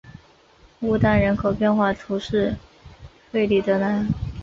乌当人口变化图示弗里德兰